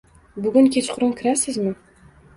Bugun kechqurun kirasizmi